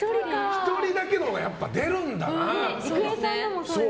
１人だけのほうが出るんだな。